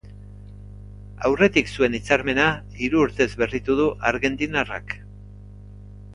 Aurretik zuen hitzarmena hiru urtez berritu du argentinarrak.